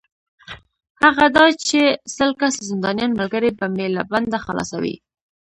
هغه دا چې سل کسه زندانیان ملګري به مې له بنده خلاصوې.